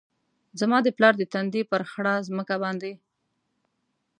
زما د پلار د تندي ، پر خړه مځکه باندي